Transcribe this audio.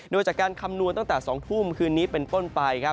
โดยจากการคำนวณตั้งแต่๒ทุ่มคืนนี้เป็นต้นไปครับ